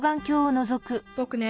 ぼくね